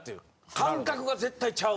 感覚が絶対ちゃう。